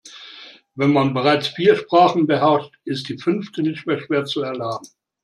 Wenn man bereits vier Sprachen beherrscht, ist die fünfte nicht mehr schwer zu erlernen.